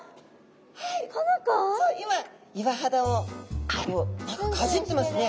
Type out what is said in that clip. そう今岩肌を何かかじってますね。